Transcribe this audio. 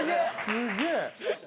すげえ！